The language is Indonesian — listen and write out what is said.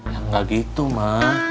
ya gak gitu ma